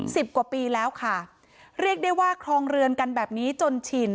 สิบกว่าปีแล้วค่ะเรียกได้ว่าครองเรือนกันแบบนี้จนชิน